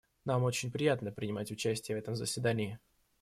Нам очень приятно принимать участие в этом заседании.